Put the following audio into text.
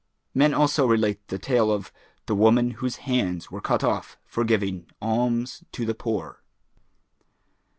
Men also relate the tale of THE WOMAN WHOSE HANDS WERE CUT OFF FOR GIVING ALMS TO THE POOR.